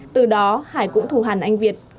từ đó hải cũng thù hàn anh việt